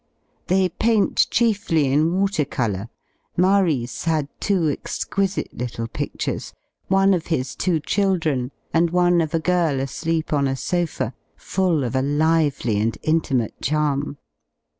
They paint chiefly in water colour. Maris had two exquisite little piftures, one of his two children, and one of a girl asleep on a sofa, full of a lively and intimate charm.